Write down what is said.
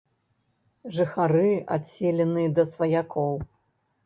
Жыхары адселеныя да сваякоў.